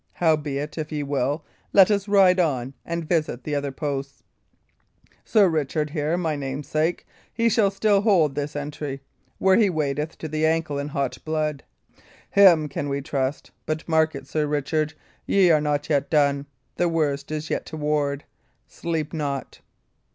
Howbeit, if ye will, let us ride on and visit the other posts. Sir Richard here, my namesake, he shall still hold this entry, where he wadeth to the ankles in hot blood. Him can we trust. But mark it, Sir Richard, ye are not yet done. The worst is yet to ward. Sleep not."